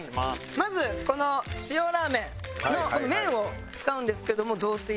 まずこの塩らーめんのこの麺を使うんですけども雑炊で。